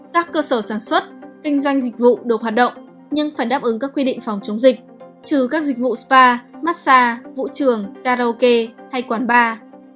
các cơ sở sản xuất kinh doanh dịch vụ được hoạt động nhưng phải đáp ứng các quy định phòng chống dịch trừ các dịch vụ spa massage vũ trường karaoke hay quán bar